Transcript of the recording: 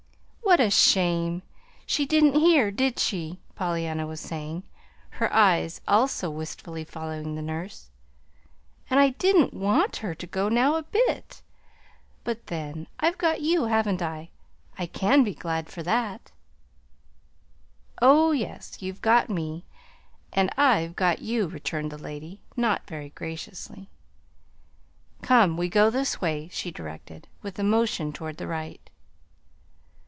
"What a shame! She didn't hear, did she?" Pollyanna was saying, her eyes, also, wistfully following the nurse. "And I didn't WANT her to go now a bit. But then, I've got you, haven't I? I can be glad for that." "Oh, yes, you've got me and I've got you," returned the lady, not very graciously. "Come, we go this way," she directed, with a motion toward the right.